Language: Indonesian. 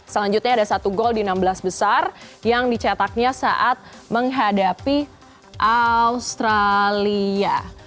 selanjutnya ada satu gol di enam belas besar yang dicetaknya saat menghadapi australia